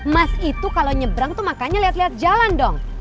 mas itu kalau nyebrang tuh makanya lihat lihat jalan dong